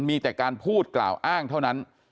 มีแต่การพูดกล่าวอ้างเท่านั้น